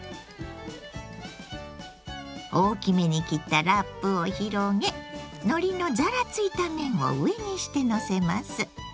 大きめに切ったラップを広げのりのザラついた面を上にしてのせます。